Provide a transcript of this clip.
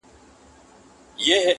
یو سړي ؤ په یو وخت کي سپی ساتلی,